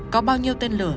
có bao nhiêu tên lửa